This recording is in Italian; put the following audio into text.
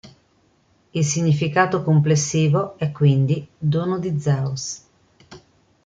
Il significato complessivo è quindi "dono di Zeus".